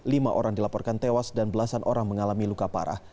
lima orang dilaporkan tewas dan belasan orang mengalami luka parah